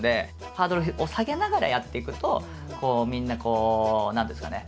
ハードルを下げながらやっていくとこうみんな何ていうんですかね